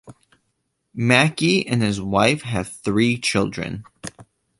Maki and his wife have three children.